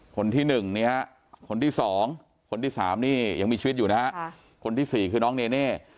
คนที่๑เนี่ยคนที่๒คนที่๓นี่ยังมีชีวิตอยู่นะฮะคนที่๔คือน้องเนเน่